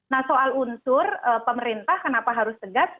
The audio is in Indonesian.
nah soal unsur pemerintah kenapa harus tegas